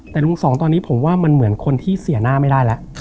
แต่ลุงสองตอนนี้ผมว่ามันเหมือนคนที่เสียหน้าไม่ได้แล้ว